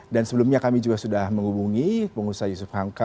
dan sebelumnya kami juga sudah menghubungi pengusaha yusuf hamka